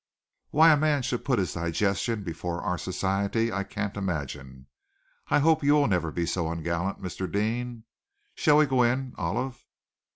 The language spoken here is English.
Why a man should put his digestion before our society, I can't imagine. I hope you will never be so ungallant, Mr. Deane. Shall we go in, Olive?"